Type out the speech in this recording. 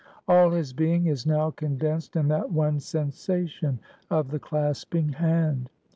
All his being is now condensed in that one sensation of the clasping hand.